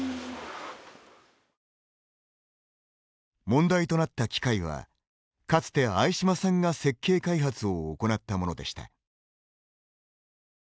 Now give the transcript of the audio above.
問題となった機械はかつて相嶋さんが設計開発を行ったものでした。